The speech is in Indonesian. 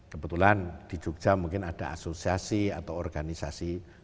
kebetulan di jogja mungkin ada asosiasi atau organisasi